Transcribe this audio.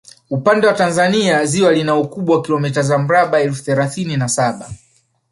Upande wa Tanzania ziwa lina ukubwa wa kilomita za mraba elfu thelathini na saba